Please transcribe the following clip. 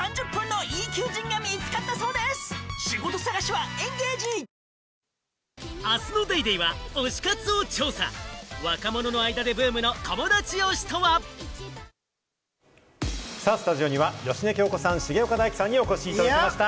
「はだおもいオーガニック」スタジオには芳根京子さん、重岡大毅さんにお越しいただきました。